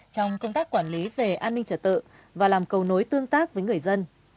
trong công tác quản lý về an ninh trật tự và làm cầu nối tương tác với người dân